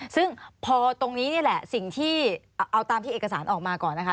ซึ่งพอตรงนี้นี่แหละสิ่งที่เอาตามที่เอกสารออกมาก่อนนะคะ